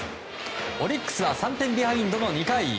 オリックスは３点ビハインドの２回。